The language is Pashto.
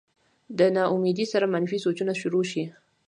د نا امېدۍ سره منفي سوچونه شورو شي